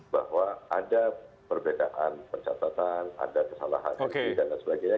bahwa ada perbedaan pencatatan ada kesalahan politik dan lain sebagainya